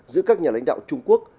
giữa các nhà lãnh đạo trung quốc